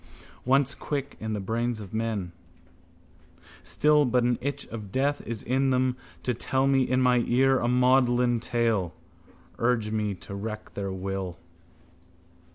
Once quick in the brains of men. Still: but an itch of death is in them, to tell me in my ear a maudlin tale, urge me to wreak their will.